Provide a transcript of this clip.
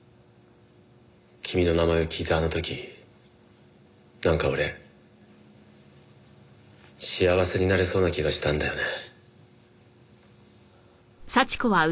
君の名前を聞いたあの時なんか俺幸せになれそうな気がしたんだよね。